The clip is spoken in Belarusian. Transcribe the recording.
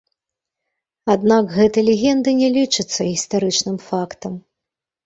Аднак, гэта легенда не лічыцца гістарычным фактам.